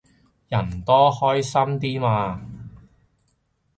人多開心啲嘛